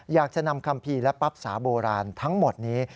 อยากจะนำคัมภีร์และปั๊บสาโบราณทั้งหมดนี้